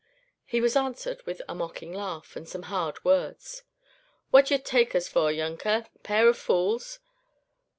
He was answered with a mocking laugh, and some hard words. "What d'ye take us for, younker, a pair of fools?